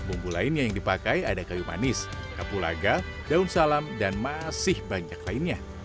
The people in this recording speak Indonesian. bumbu lainnya yang dipakai ada kayu manis kapulaga daun salam dan masih banyak lainnya